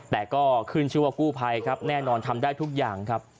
แต่ก็ขึ้นชื่อว่ากู้ภัยครับแน่นอนทำได้ทุกอย่างครับ